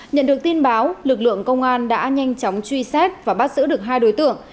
nhận được tin báo lực lượng công an đã nhanh chóng truy xét và bắt giữ được hai đối tượng